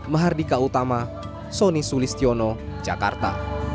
mehardika utama sonny sulistiono jakarta